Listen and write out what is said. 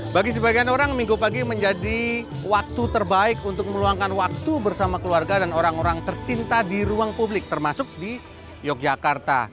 bagi sebagian orang minggu pagi menjadi waktu terbaik untuk meluangkan waktu bersama keluarga dan orang orang tercinta di ruang publik termasuk di yogyakarta